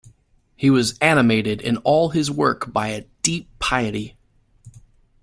He was animated in all his work by a deep piety.